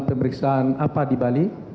pemeriksaan apa di bali